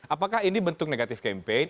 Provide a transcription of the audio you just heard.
apakah ini bentuk negatif campaign